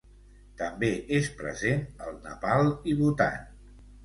També és present al Nepal i Bhutan.